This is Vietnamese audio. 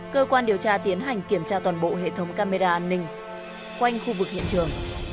cơ quan điều tra tiến hành kiểm tra toàn bộ hệ thống camera an ninh quanh khu vực hiện trường